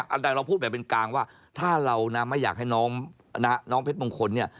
อันใดเราพูดแบบเป็นกลางว่าถ้าเรานะไม่อยากให้น้องเพชรมงคลเนี่ย